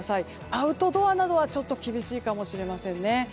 アウトドアなどは厳しいかもしれませんね。